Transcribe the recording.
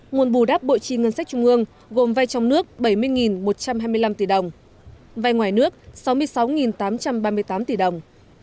nguồn bù đáp bộ chi ngân sách trung ương gồm vay trong nước bảy mươi một trăm hai mươi năm tỷ đồng vay ngoài nước sáu mươi sáu tám trăm ba mươi tám tỷ đồng